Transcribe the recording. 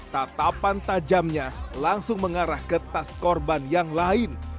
tatapan tajamnya langsung mengarah ke tas korban yang lain